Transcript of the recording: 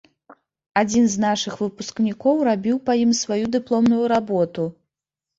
Адзін з нашых выпускнікоў рабіў па ім сваю дыпломную работу.